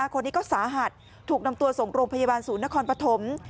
คนนี้ก็สาหัสถูกนำตัวส่งโรงพยาบาลศูนย์นครปฐม